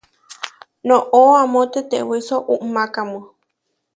Noʼó amó tetewíso uʼmákamu.